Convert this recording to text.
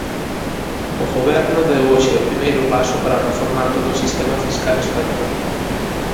O Goberno deu hoxe o primeiro paso para reformar todo o sistema fiscal español.